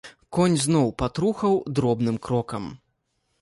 Конь зноў патрухаў дробным крокам.